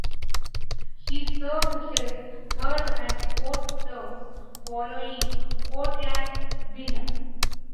He served his third and fourth terms following Courtland Winn.